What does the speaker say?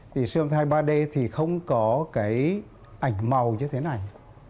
thì siêu âm thai ba d thì không có cái ảnh màu như thế này